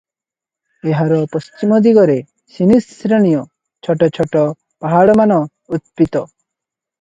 ଏହାର ପଶ୍ଚିମଦିଗରେ ନିସିସ୍ ଶ୍ରେଣୀୟ ଛୋଟ ଛୋଟ ପାହାଡମାନ ଉତ୍ପିତ